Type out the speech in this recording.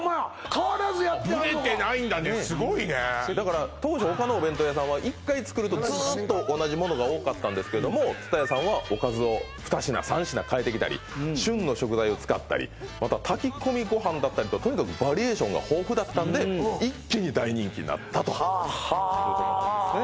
変わらずやってはるのかすごいねだから当時が多かったんですけども津多屋さんはおかずを２品３品変えてきたり旬の食材を使ったりまた炊き込みご飯だったりととにかくバリエーションが豊富だったんで一気に大人気になったとははあということなんですね